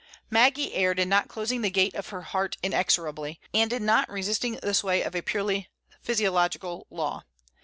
Maggie erred in not closing the gate of her heart inexorably, and in not resisting the sway of a purely "physiological law."